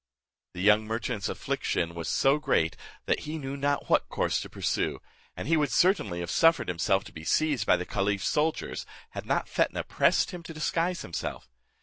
The young merchant's affliction was so great, that he knew not what course to pursue, and would certainly have suffered himself to be seized by the caliph's soldiers, had not Fetnah pressed him to disguise himself.